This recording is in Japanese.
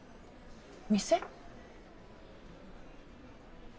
店？